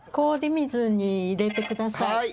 氷水に入れてください。